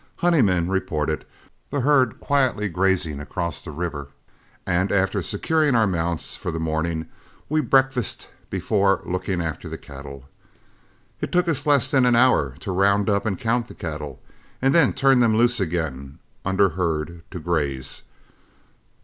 Honeyman reported the herd quietly grazing across the river, and after securing our mounts for the morning, we breakfasted before looking after the cattle. It took us less than an hour to round up and count the cattle, and turn them loose again under herd to graze.